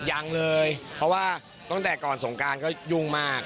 ยังเลยเพราะว่าตั้งแต่ก่อนสงการก็ยุ่งมาก